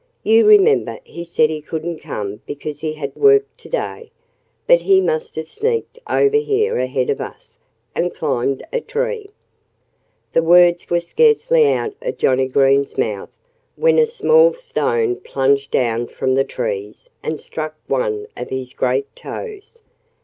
"You remember he said he couldn't come because he had work to day. But he must have sneaked over here ahead of us and climbed a tree." The words were scarcely out of Johnnie Green's mouth when a small stone plunged down from the trees and struck one of his great toes.